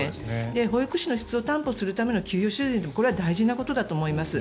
保育士の質を担保するための給与水準もこれは大事なことだと思います。